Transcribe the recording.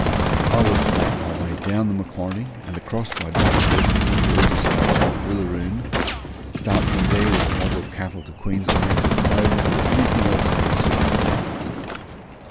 I was to make my way down the Macquarie and across by Duck Creek, George's station, Willaroon; start from there with a mob of cattle to Queensland as drover or anything that would suit my book.